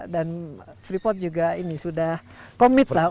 dan freeport juga ini sudah komit lah